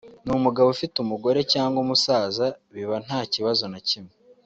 n’umugabo ufite umugore cyangwa umusaza biba nta kibazo na kimwe